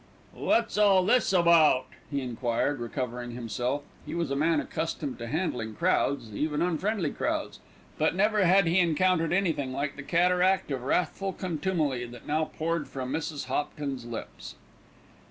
"What's all this about?" he enquired, recovering himself. He was a man accustomed to handling crowds, even unfriendly crowds; but never had he encountered anything like the cataract of wrathful contumely that now poured from Mrs. Hopton's lips.